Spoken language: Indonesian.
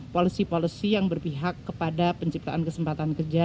polisi polisi yang berpihak kepada penciptaan kesempatan kerja